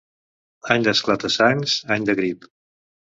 Any d'esclata-sangs, any de grip.